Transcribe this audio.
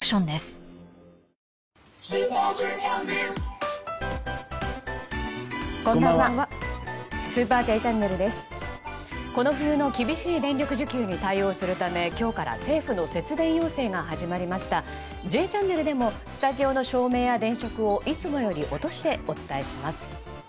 「Ｊチャンネル」でもスタジオの照明や電飾をいつもより落としてお伝えします。